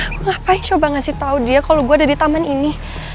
aku ngapain coba ngasih tau dia kalau gue ada di taman ini